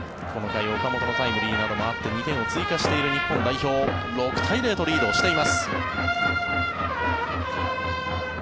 岡本のタイムリーなどもあって２点を追加している日本代表６対０とリードをしています。